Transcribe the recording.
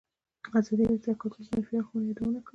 ازادي راډیو د کډوال د منفي اړخونو یادونه کړې.